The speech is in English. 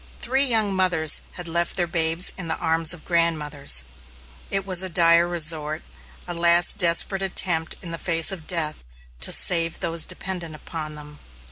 Three young mothers had left their babes in the arms of grandmothers. It was a dire resort, a last desperate attempt, in face of death, to save those dependent upon them.